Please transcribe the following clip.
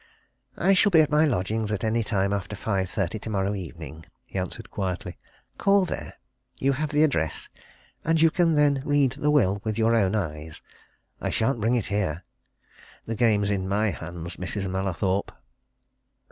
"I shall be at my lodgings at any time after five thirty tomorrow evening," he answered quietly. "Call there. You have the address. And you can then read the will with your own eyes. I shan't bring it here. The game's in my hands, Mrs. Mallathorpe."